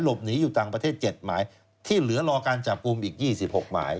หนีอยู่ต่างประเทศ๗หมายที่เหลือรอการจับกลุ่มอีก๒๖หมาย